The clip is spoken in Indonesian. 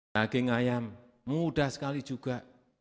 daging ayam mudah sekali juga